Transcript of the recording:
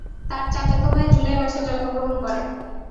তার চাচাতো ভাই জুলাই মাসে জন্মগ্রহণ করে।